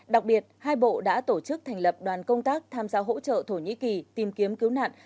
đặc biệt hai bộ đã tổ chức thành lập đoàn công tác tham gia hỗ trợ thổ nhĩ kỳ tìm kiếm cứu nạn